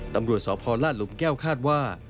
ตำรวจสพลาดหลุมแก้วคาดว่า